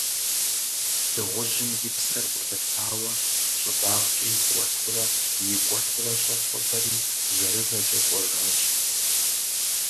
Дыгъужьым и псэр Ӏулъэтауэ, щӀыбагъкӀэ икӀуэтурэ, икӀуэтурэ щӀэцӀывэри жэрыжэкӀэ кӀуэжащ.